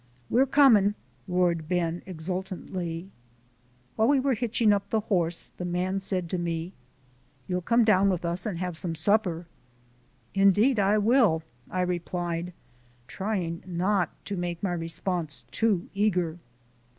"We're coming!" roared Ben, exultantly. While we were hitching up the horse, the man said to me: "You'll come down with us and have some supper." "Indeed I will," I replied, trying not to make my response too eager.